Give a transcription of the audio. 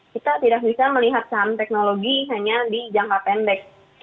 kita tidak bisa melihat saham teknologi hanya di jangka pendek